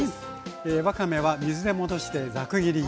わかめは水で戻してザク切りに。